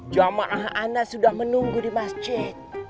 jamaah anak sudah menunggu di masjid rw dua belas